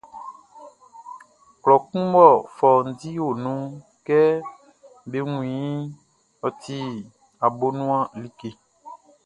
Klɔ kun mɔ fɔundi o nunʼn, kɛ be wun iʼn, ɔ ti abonuan like.